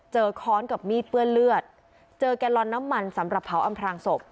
ค้อนกับมีดเปื้อนเลือดเจอแกลลอนน้ำมันสำหรับเผาอำพลางศพ